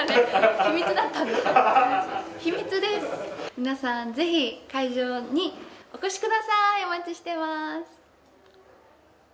皆さんぜひ会場にお越しください、お待ちしてます。